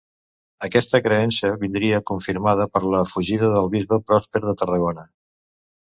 Aquesta creença vindria confirmada per la fugida del bisbe Pròsper de Tarragona.